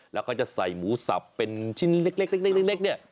แล้วก็จะใส่หมูสับเป็นชิ้นเล็กเนี่ย